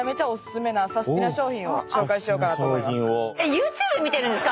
ＹｏｕＴｕｂｅ見てるんですか？